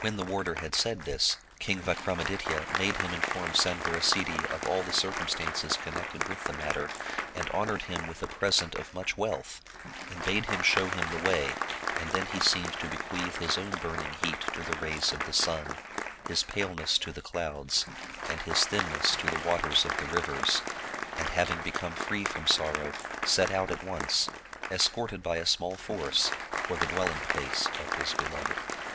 When the warder had said this. King Vikramaditya made him in form Sanvarasiddhi of all the circumstances connected with the matter, and honored him with a present of much wealth, and bade him show him the way, and then he seemed to be queath his own burning heat to the rays of the sun, his pale ness to the clouds, and his thinness to the waters of the riv ers, and having become free from sorrow, set out at once, escorted by a small force, for the dwelling place of his be loved.